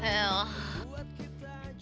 eh kamu pengen tanuh